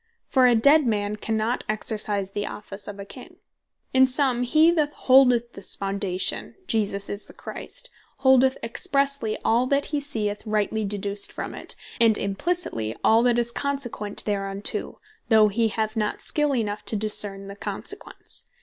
For a dead man cannot exercise the Office of a King. In summe, he that holdeth this Foundation, Jesus Is The Christ, holdeth Expressely all that hee seeth rightly deduced from it, and Implicitely all that is consequent thereunto, though he have not skill enough to discern the consequence.